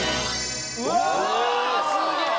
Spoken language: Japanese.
うわあすげえ！